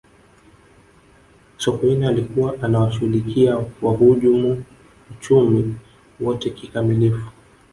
sokoine alikuwa anawashughulikia wahujumu uchumi wote kikamilifu